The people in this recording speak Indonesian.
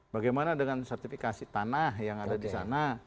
bagaimana dengan sertifikasi tanah yang ada di sana